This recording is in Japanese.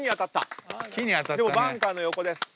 でもバンカーの横です。